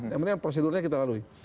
yang penting prosedurnya kita lalui